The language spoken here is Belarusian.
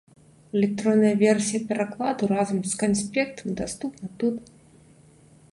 Электронная версія перакладу разам з канспектам даступная тут.